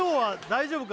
大丈夫？